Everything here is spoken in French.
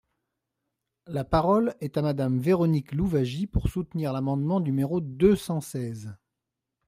La parole est à Madame Véronique Louwagie, pour soutenir l’amendement numéro deux cent seize.